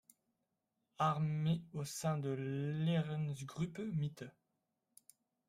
Armee, au sein de l'Heeresgruppe Mitte.